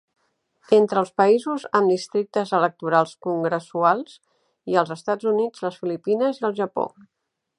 Entre els països amb districtes electorals congressuals hi ha els Estats Units, les Filipines i el Japó.